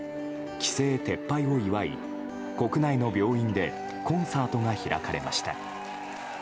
規制撤廃を祝い、国内の病院でコンサートが開かれました。